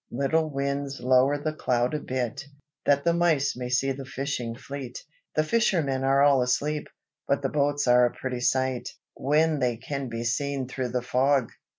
"Little Winds, lower the cloud a bit, that the mice may see the fishing fleet. The fishermen are all asleep, but the boats are a pretty sight, when they can be seen through the fog."